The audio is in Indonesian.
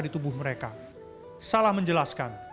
di tubuh mereka salah menjelaskan